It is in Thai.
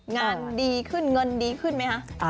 งานดีขึ้นเงินดีขึ้นไหมคะ